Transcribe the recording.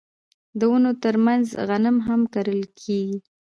د ونو ترمنځ غنم هم کرل کیږي.